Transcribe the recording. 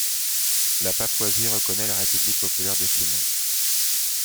La Papouasie reconnaît la République Populaire de Chine.